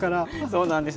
そうなんです。